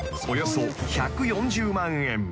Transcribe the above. ［およそ１４０万円］